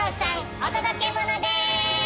お届けモノです！